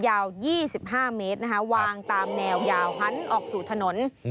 ยาว๒๕เมตรนะคะวางตามแนวยาวหันออกสู่ถนน